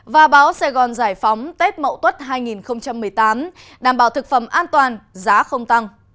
và báo sài gòn giải phóng tết mậu tuất hai nghìn một mươi tám đảm bảo thực phẩm an toàn giá không tăng